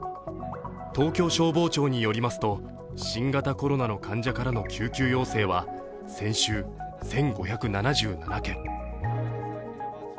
東京消防庁によりますと、新型コロナの患者からの救急要請は先週、１５７７件。